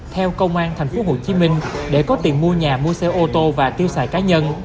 theo công an tp hcm để có tiền mua nhà mua xe ô tô và tiêu xài cá nhân